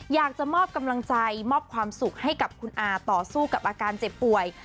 อยากจะมอบกำลังใจมอบความสุขให้กับคุณอาต่อสู้กับอาการเจ็บป่วย